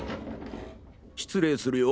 失礼するよ